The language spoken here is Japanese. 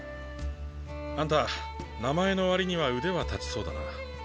あんた名前の割には腕は立ちそうだな。